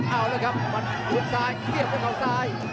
เอาแล้วครับมันหลุดซ้ายเสียบด้วยเขาซ้าย